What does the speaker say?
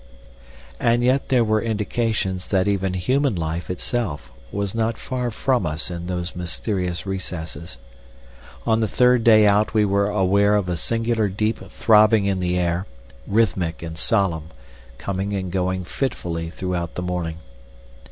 And yet there were indications that even human life itself was not far from us in those mysterious recesses. On the third day out we were aware of a singular deep throbbing in the air, rhythmic and solemn, coming and going fitfully throughout the morning.